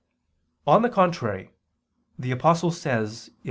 On the contrary, The Apostle says (Gal.